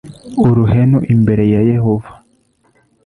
uruhenu imbere ya Yehova